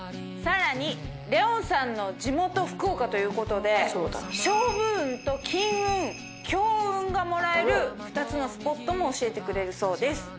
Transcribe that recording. さらにレオンさんの地元福岡ということで勝負運と金運強運がもらえる２つのスポットも教えてくれるそうです。